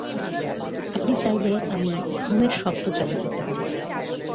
আপনি চাইলে আমি ঘুমের শব্দ চালু করতে পারি।